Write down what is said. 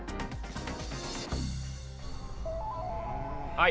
はい。